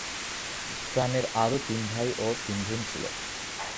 প্রাণের আরও তিন ভাই ও তিন বোন ছিল।